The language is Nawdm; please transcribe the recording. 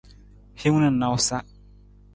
Hiwung na nawusa.